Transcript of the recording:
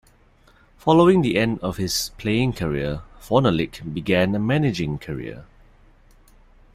Following the end of his playing career, Fornalik began a managing career.